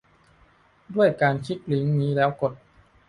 ด้วยการคลิกลิงก์นี้แล้วกด